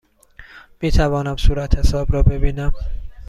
می توانم صورتحساب را ببینم؟